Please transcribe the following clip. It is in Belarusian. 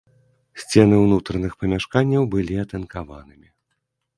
Сцены ўнутраных памяшканняў былі атынкаванымі.